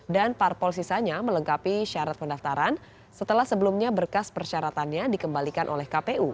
parpol sisanya melengkapi syarat pendaftaran setelah sebelumnya berkas persyaratannya dikembalikan oleh kpu